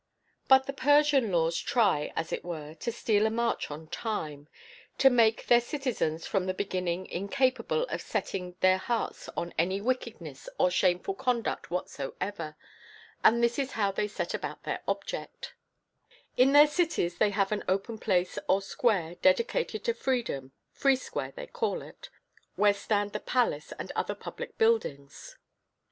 But the Persian laws try, as it were, to steal a march on time, to make their citizens from the beginning incapable of setting their hearts on any wickedness or shameful conduct whatsoever. And this is how they set about their object. In their cities they have an open place or square dedicated to Freedom (Free Square they call it), where stand the palace and other public buildings.